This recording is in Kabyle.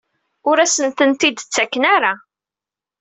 Ur asent-ten-id-ttaken ara?